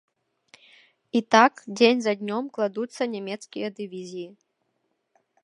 І так дзень за днём кладуцца нямецкія дывізіі.